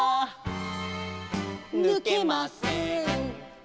「ぬけません」